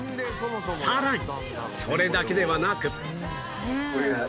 さらにそれだけではなく